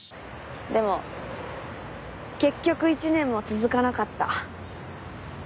でも結局１年も続かなかった。